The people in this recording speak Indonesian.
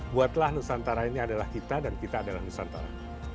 buatlah nusantara ini adalah kita dan kita adalah nusantara